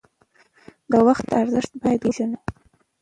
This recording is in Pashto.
د وخت ارزښت باید وپیژنو.